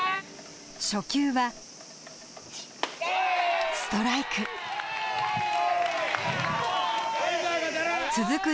初球はストライク続く